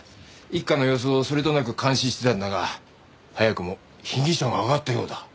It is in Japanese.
一課の様子をそれとなく監視してたんだが早くも被疑者が挙がったようだ。